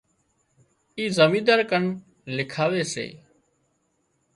اِي زمينۮار ڪن لکاوي سي